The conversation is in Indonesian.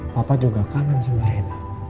papa juga kangen semuanya